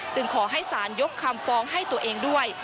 ขอให้สารยกคำฟ้องให้ตัวเองด้วย